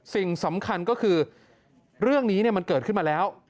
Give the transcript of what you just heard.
สิ่งสำคัญก็คือเรื่องนี้มันเกิดขึ้นมาแล้ว